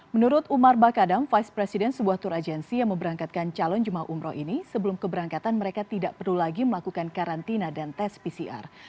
menurut umar bakadang vice president sebuah tour agency yang memberangkatkan calon jemaah umroh ini sebelum keberangkatan mereka tidak perlu lagi melakukan karantina dan tes pcr